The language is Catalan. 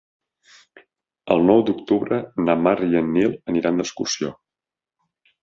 El nou d'octubre na Mar i en Nil aniran d'excursió.